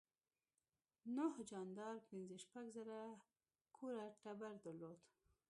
نوح جاندار پنځه شپږ زره کوره ټبر درلود.